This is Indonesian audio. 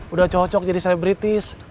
udah cocok jadi selebritis